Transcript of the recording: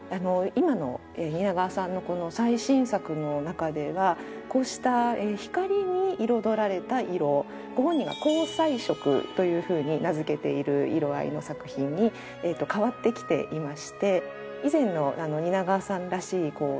今の蜷川さんのこの最新作の中ではこうした光に彩られた色ご本人が「光彩色」というふうに名付けている色合いの作品に変わってきていまして。